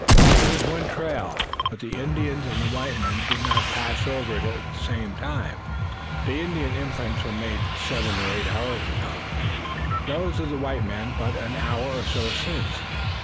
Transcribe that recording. "It is one trail, but the Indians and the white man did not pass over it at the same time. The Indian imprints were made seven or eight hours ago, those of the white man but an hour or so since.